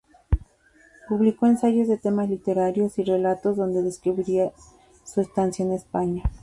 Publicó ensayos de temas literarios y relatos donde describía su larga estancia en España.